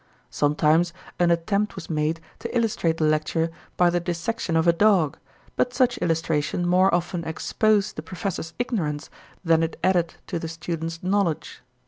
Sometimes an attempt was made to illustrate the lecture by the dissection of a dog, but such illustration more often exposed the professor's ignorance than it added to the student's knowledge.